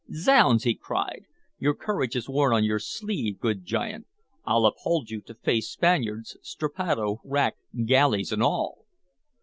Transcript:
"Zounds!" he cried, "your courage is worn on your sleeve, good giant! I'll uphold you to face Spaniards, strappado, rack, galleys, and all!"